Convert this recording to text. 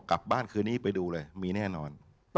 พระพุทธพิบูรณ์ท่านาภิรม